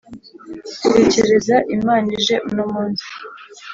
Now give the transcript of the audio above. tekereza imana ije uno munsi